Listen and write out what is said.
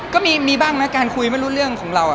ก็มีบ้างนะการคุยไม่รู้เรื่องของเรา